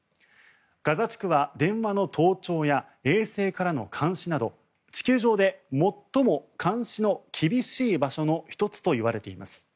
ガザ地区は電話の盗聴や衛星からの監視など地球上で最も監視の厳しい場所の１つといわれています。